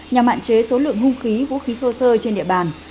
nhằm hạn chế số lượng vũ khí thô sơ trên địa bàn